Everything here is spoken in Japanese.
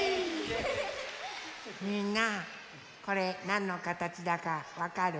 みんなこれなんのかたちだかわかる？